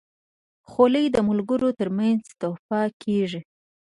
خولۍ د ملګرو ترمنځ تحفه کېږي.